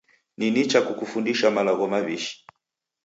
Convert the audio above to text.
Ni nicha kukufundisha malagho maw'ishi.